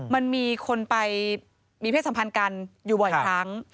มันมีคนไปมีเพศสัมพันธ์กันอยู่บ่อยครั้ง